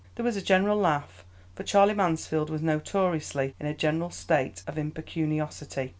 There was a general laugh, for Charley Mansfield was notoriously in a general state of impecuniosity.